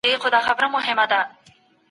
انسان پر مځکه د خدای خليفه دی.